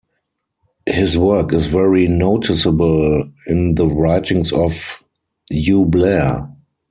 His work is very noticeable in the writings of Hugh Blair.